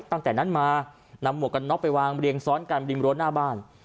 ตั้งแต่นั้นมานำหมวกกันน็อกไปวางเรียงซ้อนกันริมรั้วหน้าบ้าน